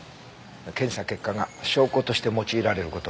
検査結果が証拠として用いられる事はありません。